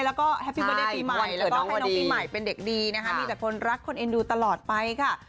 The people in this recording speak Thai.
แล้วก็ให้น้องปีใหม่เป็นเด็กดีนะคะมีแต่คนรักคนเอ็นดูตลอดไปค่ะ